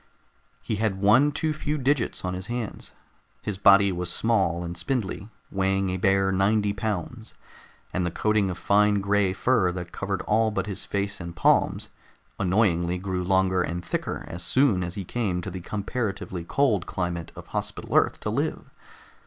He had one too few digits on his hands; his body was small and spindly, weighing a bare ninety pounds, and the coating of fine gray fur that covered all but his face and palms annoyingly grew longer and thicker as soon as he came to the comparatively cold climate of Hospital Earth to live.